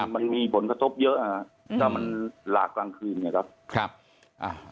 มันมีผลกระทบเยอะนะครับถ้ามันหลากกลางคืน